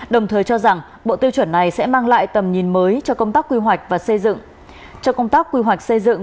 đồng thời cho rằng bộ tiêu chuẩn này sẽ mang lại tầm nhìn mới cho công tác quy hoạch xây dựng